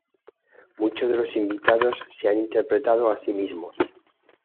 Muchos de los invitados se han interpretado a sí mismos.